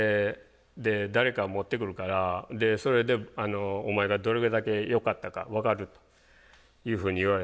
「誰かを持ってくるからそれでお前がどれだけよかったか分かる」というふうに言われて。